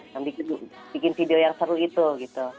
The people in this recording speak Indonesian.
yang bikin video yang seru itu gitu